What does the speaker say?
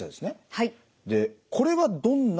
はい。